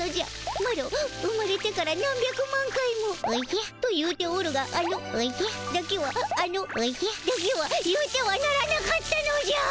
マロ生まれてから何百万回も「おじゃ」と言うておるがあの「おじゃ」だけはあの「おじゃ」だけは言うてはならなかったのじゃ。